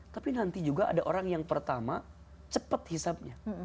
tapi nanti juga ada orang yang pertama cepat hisapnya